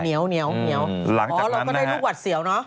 เหนียวหลังจากนั้นนะฮะอ๋อเราก็ได้รูปหวัดเสี่ยวเนอะ